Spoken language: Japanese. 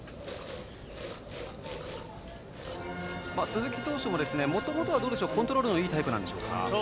鈴木投手も、もともとはコントロールのいいタイプですか。